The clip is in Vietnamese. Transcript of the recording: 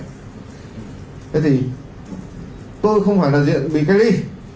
thế thì tôi không phải là diện bị cách ly